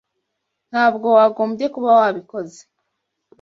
Ntabwo wagombye kuba wabikoze.